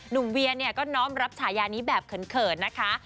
เวียเนี่ยก็น้อมรับฉายานี้แบบเขินนะคะ